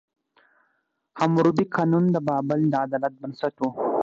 حموربي قانون د بابل د عدالت بنسټ و.